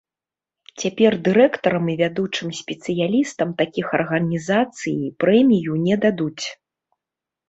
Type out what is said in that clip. Цяпер дырэктарам і вядучым спецыялістам такіх арганізацыі прэмію не дадуць.